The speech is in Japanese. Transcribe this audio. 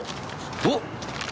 おっ？